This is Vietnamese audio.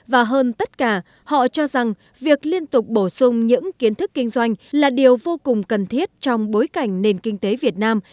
và hơn tất cả họ cho rằng việc liên tục bổ sung những kiến thức kinh doanh là điều vô cùng cần thiết trong bối cảnh nền kinh tế việt nam